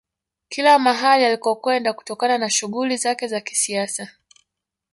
Kila mahali alikokwenda kutokana na shughuli zake za kisiasa